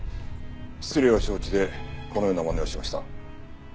失礼を承知でこのようなまねをしました。